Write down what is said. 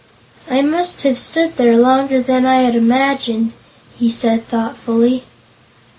"I must have stood there longer than I had imagined," he said thoughtfully.